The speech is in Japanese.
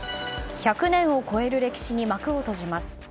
１００年を超える歴史に幕を閉じます。